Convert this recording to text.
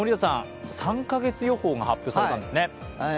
３か月予報が発表されたんですね。